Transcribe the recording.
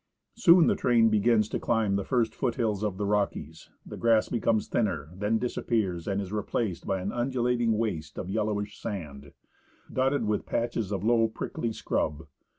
Soon the train begins to climb the first foothills of the " Rockies," the grass becomes thinner, then disappears, and is re 6 FROM TURIN TO SEATTLE placed by an undulating waste of yellowish sand, dotted with patches of low, prickly scrub.